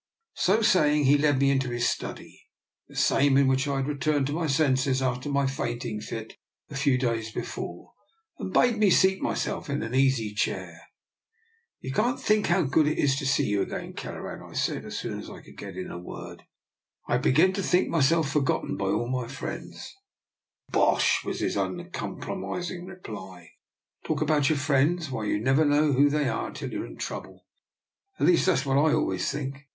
So saying, he led me into his study, the same in which I had returned to my senses after my fainting fit a few days before, and bade me seat myself in an easy chair. " You can't think how good it is to see you again, Kelleran," I said, as soon as I could get in a word. " I had begun to think myself forgotten by all my friends." " Bosh !" was his uncompromising reply. " Talk about your friends — why, you never know who they are till you're in trouble! At least, that's what I always think.